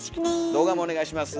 動画もお願いします。